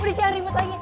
udah jangan ribet lagi